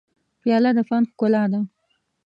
پیاله د فن ښکلا ده.